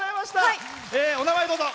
お名前、どうぞ。